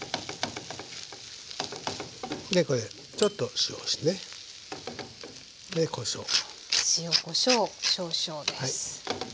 でこれにちょっと塩をしてね。でこしょう。